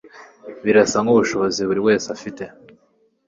Birasa nkubushobozi buri wese afite